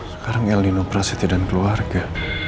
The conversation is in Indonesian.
sekarang eldino prasety dan keluarga